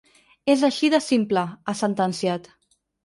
És així de simple, ha sentenciat.